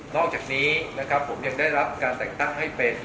อกจากนี้นะครับผมยังได้รับการแต่งตั้งให้เป็น